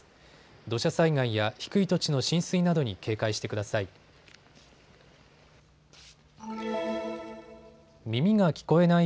土砂災害や低い土地の浸水などに警戒してください。